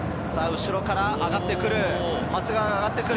後ろから長谷川が上がってくる。